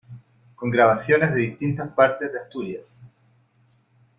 Con grabaciones de distintas partes de Asturias.